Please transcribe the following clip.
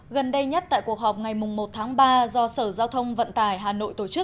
gần đây nhất tại cuộc họp ngày một tháng ba do sở giao thông vận tải hà nội